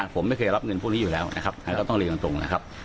ผมไม่เคยรับเงินพวกนี้อยู่แล้วนะครับก็ต้องเรียนตรงนะครับ